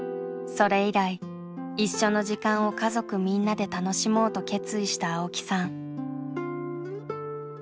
それ以来一緒の時間を家族みんなで楽しもうと決意した青木さん。